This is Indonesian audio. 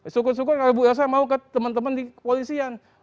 syukur syukur kalau bu elsa mau ke teman teman di koalisian